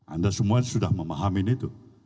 anda semua sudah memahamin itu